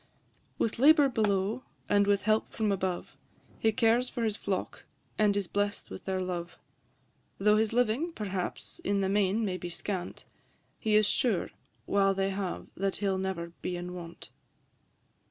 With labour below, and with help from above, He cares for his flock, and is bless'd with their love: Though his living, perhaps, in the main may be scant, He is sure, while they have, that he 'll ne'er be in want.